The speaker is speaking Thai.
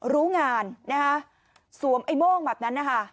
รู้งานนะคะสวมไอ้โม่งแบบนั้นนะคะ